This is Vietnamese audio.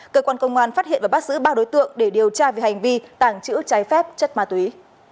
cơ quan công an phát hiện và bắt giữ ba đối tượng để điều tra về hành vi tàng trữ trái phép chất ma túy